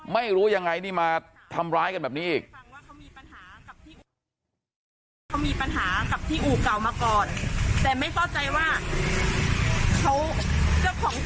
ไม่รู้ยังไงนี่มาทำร้ายกันแบบนี้อีก